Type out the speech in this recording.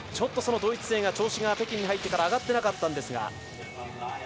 そのドイツ勢の調子が北京に入ってから上がっていなかったんですが。